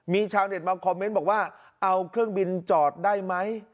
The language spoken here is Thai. มีชาวเน็ตมาคอมเมนต์บอกว่าเอาเครื่องบินจอดได้ไหม